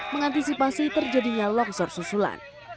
mengantisipasi terjadinya longsor susulan